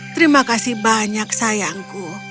terima kasih banyak sayangku